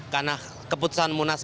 karena keputusan munas